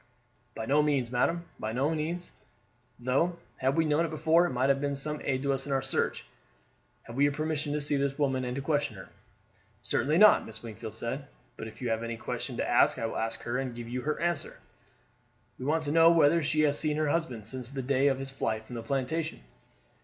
"By no means, madam, by no means; though, had we known it before, it might have been some aid to us in our search. Have we your permission to see this woman and to question her?" "Certainly not," Mrs. Wingfield said; "but if you have any question to ask I will ask her and give you her answer." "We want to know whether she has seen her husband since the day of his flight from the plantation?"